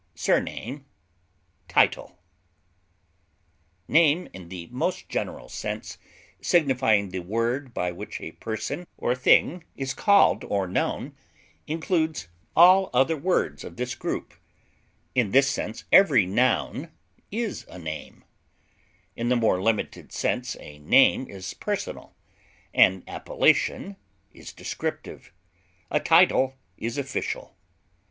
cognomen, epithet, Name in the most general sense, signifying the word by which a person or thing is called or known, includes all other words of this group; in this sense every noun is a name; in the more limited sense a name is personal, an appellation is descriptive, a title is official.